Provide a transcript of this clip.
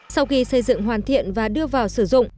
sau khi xây dựng hoàn thiện và đưa vào sử dụng